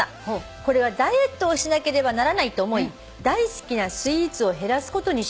「これはダイエットをしなければならないと思い大好きなスイーツを減らすことにしました」